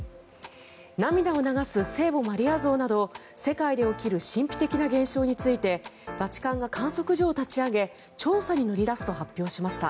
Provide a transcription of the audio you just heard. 涙を流す聖母マリア像など世界で起きる神秘的な現象についてバチカンが観測所を立ち上げ調査に乗り出すと発表しました。